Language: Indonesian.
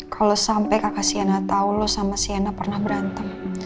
kalau sampai kakak shaina tahu lo sama shaina pernah berantem